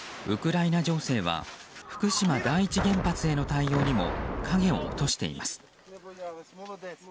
ウクライナ情勢は福島第一原発への対応にも影を落としています。